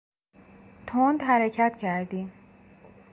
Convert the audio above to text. تند حرکت کردیم.